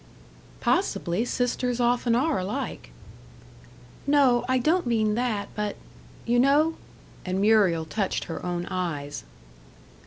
"Possibly; sisters often are alike." "No, I don't mean that; but you know?" And Muriel touched her own eyes.